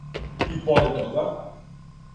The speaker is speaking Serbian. и поред тога